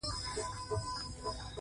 د غاښو له لارې پلې لارې اوښتې دي.